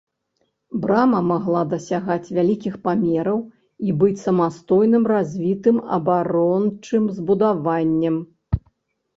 Брама магла дасягаць вялікіх памераў і быць самастойным развітым абарончым збудаваннем.